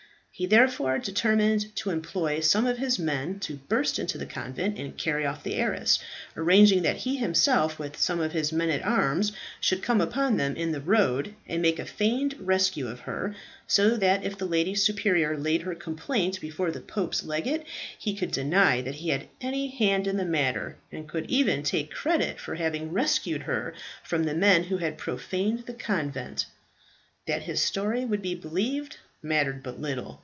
He therefore determined to employ some of his men to burst into the convent and carry off the heiress, arranging that he himself, with some of his men at arms, should come upon them in the road, and make a feigned rescue of her, so that, if the lady superior laid her complaint before the pope's legate, he could deny that he had any hand in the matter, and could even take credit for having rescued her from the men who had profaned the convent. That his story would be believed mattered but little.